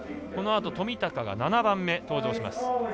このあと冨高が７番目に登場します。